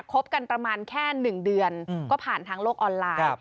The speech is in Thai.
คบกันประมาณแค่๑เดือนก็ผ่านทางโลกออนไลน์